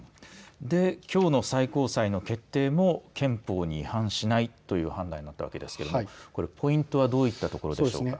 きょうの最高裁の決定も憲法に違反しないという判断になったわけですけれどもポイントはどういったところでしょうか。